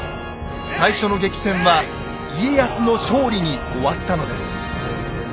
最初の激戦は家康の勝利に終わったのです。